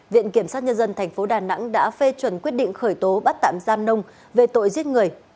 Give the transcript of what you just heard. viện kiểm sát nhân dân tp đà nẵng đã phê chuẩn quyết định khởi tố bắt tạm giam nông về tội giết người